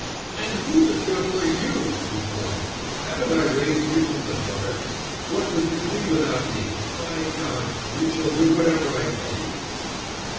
"And who the devil are you?" he cried. "Haven't I raised you from the gutter? What would you be without me? By God, you shall do whatever I tell you."